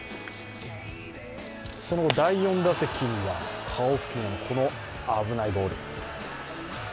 その第４打席には顔付近、この危ないボール。